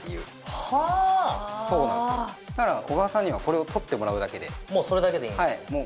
そうなんですよだから小川さんにはこれを撮ってもらうだけでもうそれだけでいい？